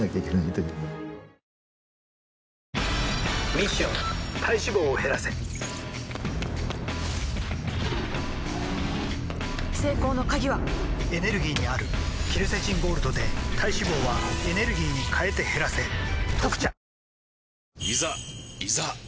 ミッション体脂肪を減らせ成功の鍵はエネルギーにあるケルセチンゴールドで体脂肪はエネルギーに変えて減らせ「特茶」